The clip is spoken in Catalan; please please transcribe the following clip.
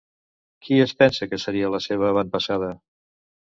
Qui es pensa que seria la seva avantpassada?